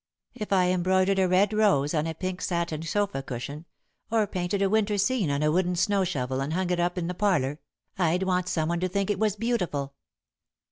If I embroidered a red rose on a pink satin sofa cushion, or painted a Winter scene on a wooden snow shovel and hung it up in the parlour, I'd want someone to think it was beautiful.